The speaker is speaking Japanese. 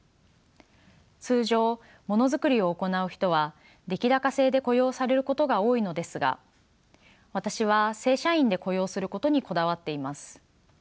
通常ものづくりを行う人は出来高制で雇用されることが多いのですが私は正社員で雇用することにこだわっています。